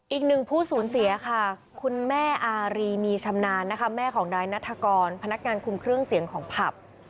อีกหนึ่งผู้สูญเสียค่ะคุณแม่อารีมีชำนาญนะคะแม่ของนายนัฐกรพนักงานคุมเครื่องเสียงของผับ